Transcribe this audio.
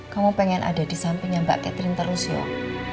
kamu pengen ada di sampingnya mbak catherine terus yuk